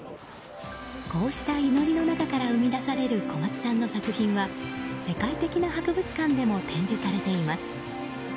こうした祈りの中から生み出される小松さんの作品は世界的な博物館でも展示されています。